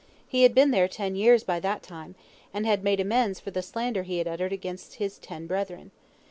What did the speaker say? He had been there ten years by that time, and had made amends for the slander he had uttered against his ten brethren.